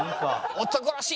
「男らしい」